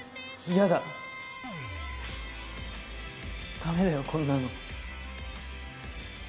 ダメだよこんなの。